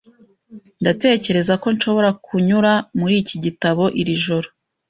Ndatekereza ko nshobora kunyura muri iki gitabo iri joro.